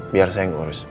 biar saya yang urus